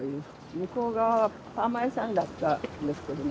向こう側はパーマ屋さんだったんですけどね。